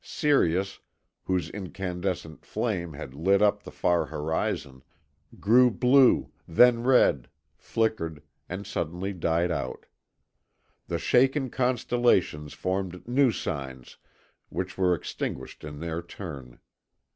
Sirius, whose incandescent flame had lit up the far horizon, grew blue, then red, flickered, and suddenly died out. The shaken constellations formed new signs which were extinguished in their turn.